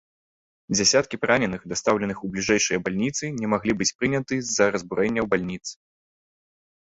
Дзесяткі параненых, дастаўленых у бліжэйшыя бальніцы, не маглі быць прыняты з-за разбурэнняў бальніц.